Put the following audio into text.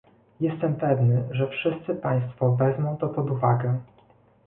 Jestem pewny, że wszyscy państwo wezmą to pod uwagę